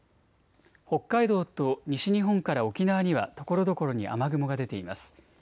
北海道と西日本から沖縄にはところどころに雨雲が出ています。